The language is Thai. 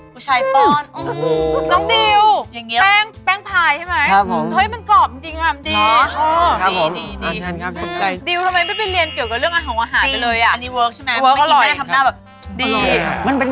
ผู้ชายป้อนน้องดิวแป้งแป้งพายใช่ไหมมันกรอบจริงอ่ะมันดี